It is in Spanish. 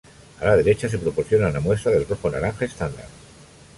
A la derecha se proporciona una muestra del rojo naranja estándar.